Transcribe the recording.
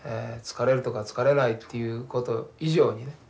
疲れるとか疲れないっていうこと以上にね。